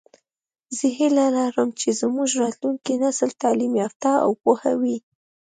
زه هیله لرم چې زمونږ راتلونکی نسل تعلیم یافته او پوهه وي